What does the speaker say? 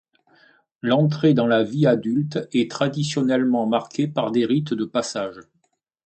L'entrée dans la vie adulte est traditionnellement marquée par des rites de passage.